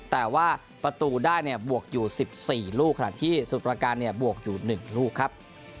แต่ว่าประตูได้เนี่ยบวกอยู่สิบสี่ลูกค่ะที่สูตรประการเนี่ยบวกอยู่หนึ่งลูกครับ